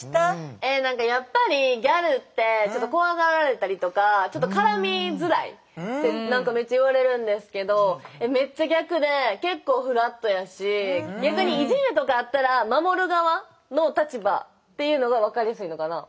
えなんかやっぱりギャルってちょっと怖がられたりとか絡みづらいってなんかめっちゃ言われるんですけどめっちゃ逆で結構フラットやし逆にいじめとかあったら守る側の立場っていうのが分かりやすいのかな。